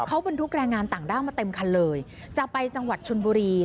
เขาบรรทุกแรงงานต่างด้าวมาเต็มคันเลยจะไปจังหวัดชนบุรี